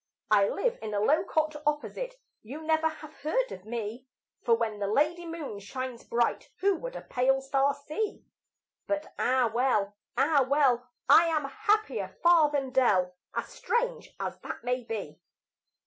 I live in a low cot opposite You never have heard of me; For when the lady moon shines bright, Who would a pale star see? But ah, well! ah, well! I am happier far than Dell, As strange as that may be.